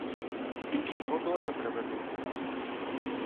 — Годоя приведи.